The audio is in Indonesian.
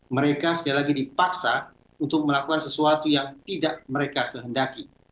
mereka sekali lagi dipaksa untuk melakukan sesuatu yang tidak mereka kehendaki